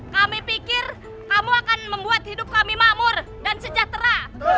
kami pikir kamu akan membuat hidup kami makmur dan sejahtera